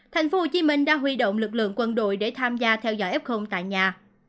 thành phố hồ chí minh đã huy động lực lượng quân đội để tham gia theo dõi f tại nhà